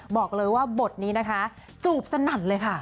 บอกเลยว่าบทนี้นะคะจูบสนั่นเลยค่ะ